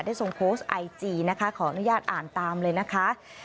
ทรงโพสต์ไอจีนะคะขออนุญาตอ่านตามเลยนะคะ